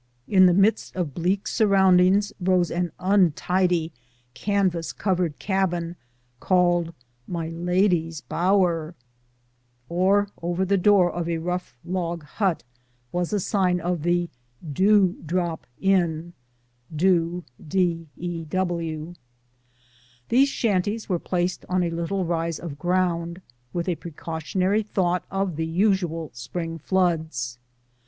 In tlie midst of bleak surroundings rose an untidy canvas covered cabin, called "My Lady's Bower," or over the door of a rough log hut was a sign of the "Dew Drop Inn " (Do drop in). These shanties were placed on a little rise of ground, with a precautionary thought of the usual spring floods.